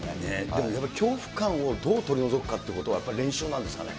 でもやっぱり恐怖感をどう取り除くかということが練習なんですかね。